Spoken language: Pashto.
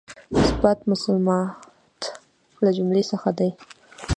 اثبات مسلمات له جملې دی.